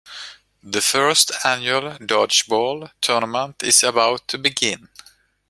The First Annual Dodgeball Tournament is about to begin.